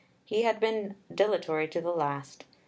He had been dilatory to the last.